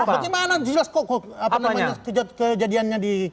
bagaimana jelas kok kejadiannya di kabinet